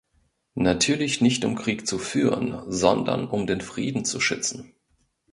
Natürlich nicht um Krieg zu führen, sondern um den Frieden zu schützen.